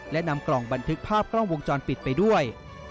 และนำกล่องบันทึกภาพกล้องวงจรปิดไปด้วย